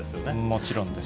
もちろんです。